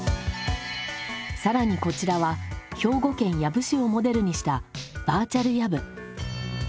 更にこちらは兵庫県養父市をモデルにした「バーチャルやぶ」。